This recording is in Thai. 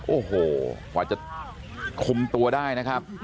โอ้โหกว่าจะคุมตัวได้นะครับ